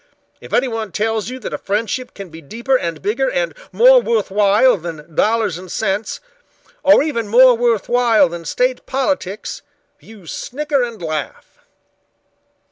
If anyone tells you that a friendship can be deeper and bigger and more worth while than dollars and cents, or even more worth while than state politics, you snicker and laugh."